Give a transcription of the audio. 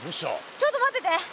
ちょっと待ってて。